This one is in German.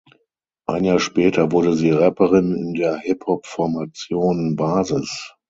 Ein Jahr später wurde sie Rapperin in der Hip-Hop-Formation "Basis".